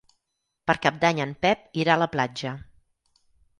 Per Cap d'Any en Pep irà a la platja.